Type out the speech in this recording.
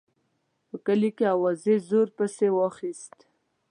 په کلي کې اوازې زور پسې واخیست.